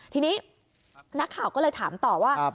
ทีนี้นักข่าวก็เลยถามต่อว่า